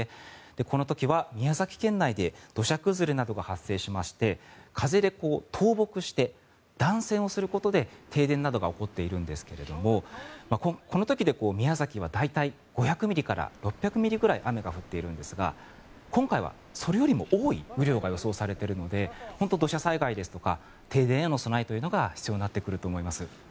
この時は宮崎県内で土砂崩れなどが発生しまして風で倒木して断線をすることで停電などが起こっているんですがこの時で宮崎は大体５００ミリから６００ミリぐらい雨が降っているんですが今回はそれよりも多い雨量が予想されているので本当に、土砂災害ですとか停電への備えが必要になってくると思います。